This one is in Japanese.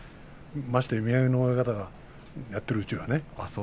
まして宮城野親方がやっているうちはね。